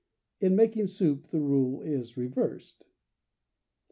In making soup, the rule is reversed.